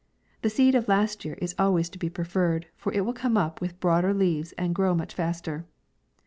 The seed of last year is always to be preferred, for it will come up with broader leaves, and grow much faster.